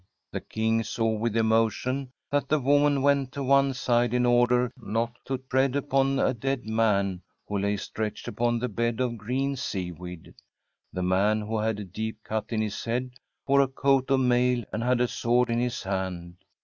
The King saw with emotion that the woman went to one side in order not to tread upon a dead man who lay stretched upon the bed of green seaweed. The man, who had a deep cut in his head, wore a coat of mail, and had a sword in his hand.